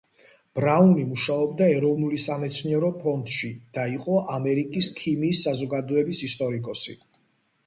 ბრაუნი მუშაობდა ეროვნული სამეცნიერო ფონდში და იყო ამერიკის ქიმიის საზოგადოების ისტორიკოსი.